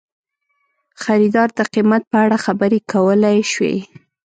خریدار د قیمت په اړه خبرې کولی شي.